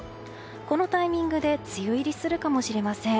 このタイミングで梅雨入りするかもしれません。